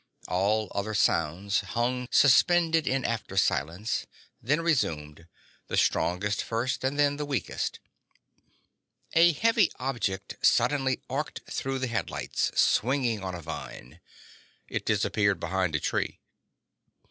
All other sounds hung suspended in after silence, then resumed: the strongest first and then the weakest. A heavy object suddenly arced through the headlights, swinging on a vine. It disappeared behind a tree.